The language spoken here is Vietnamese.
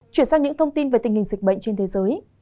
chuyển sang những thông tin về tình hình dịch bệnh trên thế giới